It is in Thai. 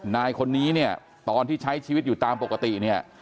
นายคนนี้เนี่ยตอนที่ใช้ชีวิตอยู่ตามปกติเนี่ย